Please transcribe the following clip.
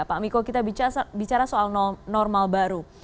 pak miko kita bicara soal normal baru